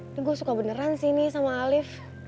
ini gue suka beneran sih nih sama alif